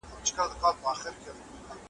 تاسو باید د خپل وطن تاریخ ولولئ.